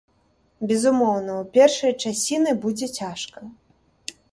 Безумоўна, у першыя часіны будзе цяжка.